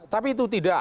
tapi itu tidak